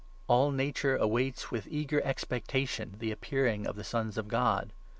All Nature awaits with 19 eager expectation the appearing of the Sons of God.